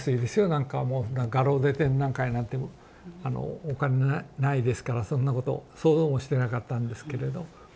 なんかもう画廊で展覧会なんてお金ないですからそんなこと想像もしてなかったんですけれど。